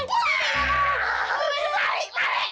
balik balik balik